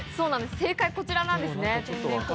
正解はこちらなんですね。